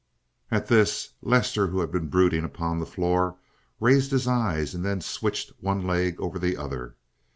At this Lester, who had been brooding upon the floor, raised his eyes and then switched one leg over the other.